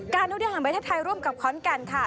การทดียาหาเวทย์ไทยร่วมกับค้อนแก่นค่ะ